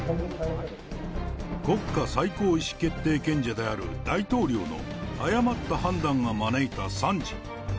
国会最高意思決定権者である大統領の誤った判断が招いた惨事。